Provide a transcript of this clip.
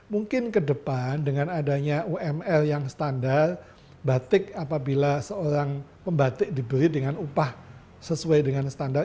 mungkin ke depan dengan adanya umr yang standar batik apabila seorang pembatik diberi dengan upah sesuai dengan standar